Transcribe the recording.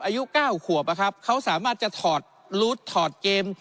ผมเนี้ยครับอายุเก้าขวบอ่ะครับเขาสามารถจะถอดรูดถอดเกม